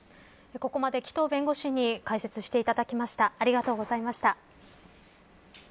ここまで紀藤弁護士に解説していただきました。